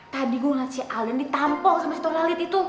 tadi gue ngeliat si alden ditampol sama si tor lalit itu